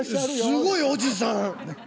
すごいおじさん。